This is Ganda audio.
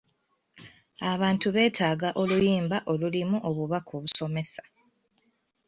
Abantu beetaaga oluyimba olulimu obubaka obusomesa.